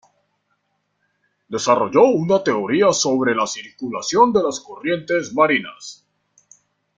Desarrolló una teoría sobre la circulación de las corrientes marinas.